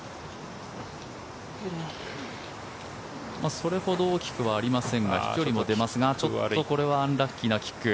それほど大きくはありませんが飛距離も出ますがちょっとこれはアンラッキーなキック。